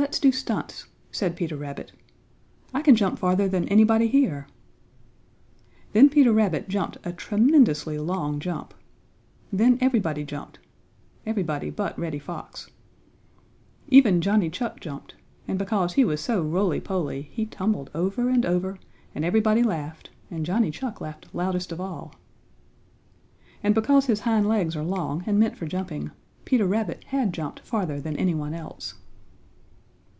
"Let's do stunts," said Peter Rabbit. "I can jump farther than anybody here!" Then Peter Rabbit jumped a tremendously long jump. Then everybody jumped, everybody but Reddy Fox. Even Johnny Chuck jumped, and because he was so rolly poly he tumbled over and over and everybody laughed and Johnny Chuck laughed loudest of all. And because his hind legs are long and meant for jumping Peter Rabbit had jumped farther than any one else.